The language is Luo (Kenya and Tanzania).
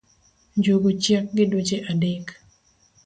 njungu chiek gi dweche adek